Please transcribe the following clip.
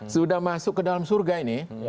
sudah masuk ke dalam surga ini